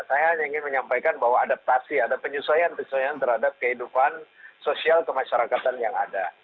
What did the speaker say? saya hanya ingin menyampaikan bahwa adaptasi ada penyesuaian penyesuaian terhadap kehidupan sosial kemasyarakatan yang ada